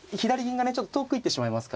ちょっと遠く行ってしまいますからね。